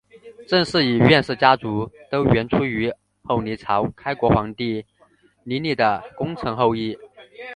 郑氏与阮氏家族都源出于后黎朝开国皇帝黎利的功臣后裔。